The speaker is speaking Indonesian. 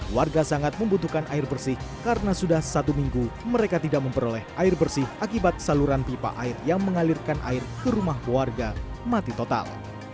warga sangat membutuhkan air bersih karena sudah satu minggu mereka tidak memperoleh air bersih akibat saluran pipa air yang mengalirkan air ke rumah warga mati total